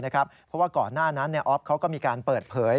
เพราะว่าก่อนหน้านั้นออฟเขาก็มีการเปิดเผย